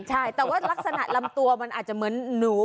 ใช่แต่ว่ารักษณะลำตัวมันอาจจะเหมือนหนู